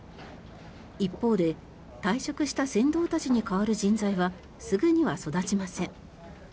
一方で、退職した船頭たちに代わる人材はすぐには育ちません。